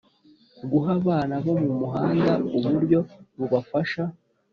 Guha abana bo muhanda uburyo bubafasha